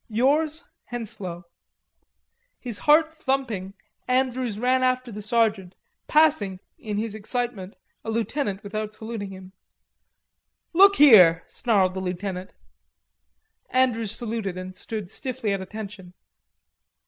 Yours, Henslowe." His heart thumping, Andrews ran after the sergeant, passing, in his excitement, a lieutenant without saluting him. "Look here," snarled the lieutenant. Andrews saluted, and stood stiffly at attention.